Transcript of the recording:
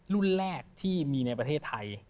รุ่นแรกที่มีในประเทศไทย